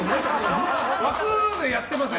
枠でやってません！